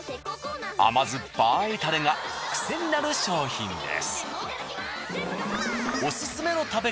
甘酸っぱいタレがクセになる商品です。